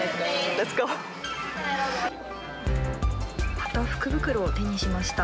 また福袋を手にしました。